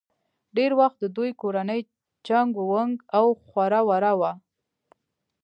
ډېر وخت د دوي کورنۍ چنګ ونګ او خوره وره وه